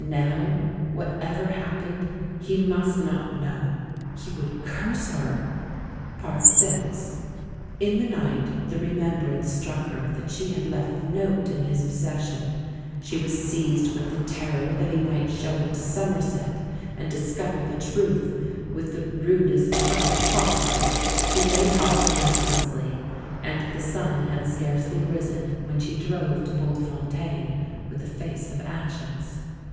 Now, whatever happened, he must not know ; he would curse her I VI In the night the remembrance struck her that she had left the note in his possession; she was seized with the terror that he might show it to Somerset and discover the truth with the rudest 128 THE MAN WHO UNDERSTOOD WOMEN shock possible. She lay tossing restlessly, and the sun had scarcely risen when she drove to Bultfontein, with a face of ashes.